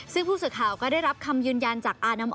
ซึ่งผู้สื่อข่าวก็ได้รับคำยืนยันจากอาน้ำอ